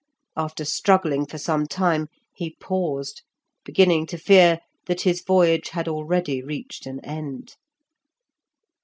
After struggling for some time, he paused, beginning to fear that his voyage had already reached an end.